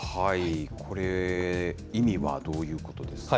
これ、意味はどういうことですか？